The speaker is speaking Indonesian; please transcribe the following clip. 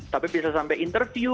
tapi bisa sampai interview